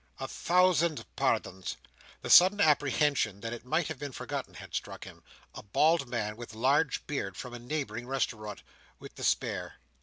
"A thousand pardons! The sudden apprehension that it might have been forgotten had struck him;" a bald man, with a large beard from a neighbouring restaurant; "with despair!